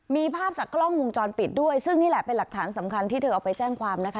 มีภาพจากกล้องวงจรปิดด้วยซึ่งนี่แหละเป็นหลักฐานสำคัญที่เธอเอาไปแจ้งความนะคะ